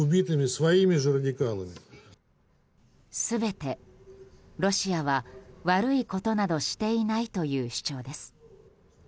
全てロシアは悪いことなどしていないという主張です。